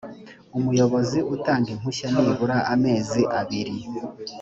umuyobozi utanga impushya nibura amezi abiri